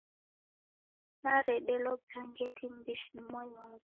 Naredelo brangeti m'mbishi ni mwai wapo.